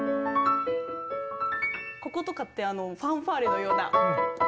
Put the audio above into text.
こことかってファンファーレのような。